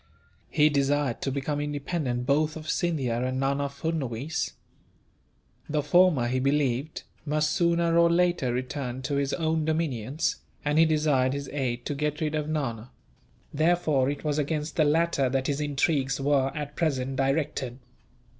He desired to become independent both of Scindia and Nana Furnuwees. The former, he believed, must sooner or later return to his own dominions, and he desired his aid to get rid of Nana; therefore it was against the latter that his intrigues were, at present, directed.